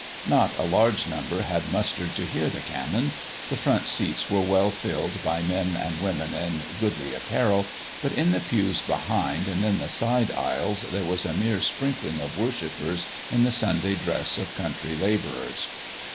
Not a large number had mustered to hear the Canon; the front seats were well filled by men and women in goodly apparel, but in the pews behind and in the side aisles there was a mere sprinkling of worshippers in the Sunday dress of country labourers.